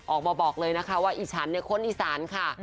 ออกมาบอกเลยนะคะว่าอีฉันเนี่ยคนอีสานค่ะ